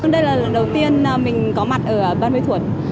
đây là lần đầu tiên mình có mặt ở ban bế thuột